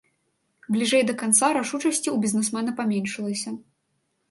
Бліжэй да канца рашучасці у бізнесмена паменшылася.